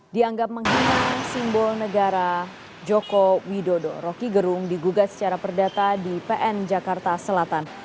dianggap menghina simbol negara joko widodo roky gerung digugat secara perdata di pn jakarta selatan